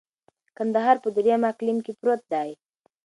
کندهار په دریم اقلیم کي پروت دی.